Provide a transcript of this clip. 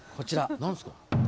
何ですか？